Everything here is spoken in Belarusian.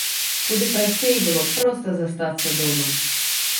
Куды прасцей было б проста застацца дома.